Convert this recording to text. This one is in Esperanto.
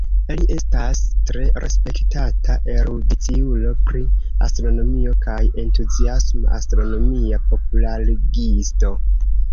Li estas tre respektata erudiciulo pri astronomio kaj entuziasma astronomia popularigisto.